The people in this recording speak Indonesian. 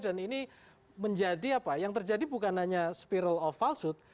dan ini menjadi apa yang terjadi bukan hanya spiral of falsehood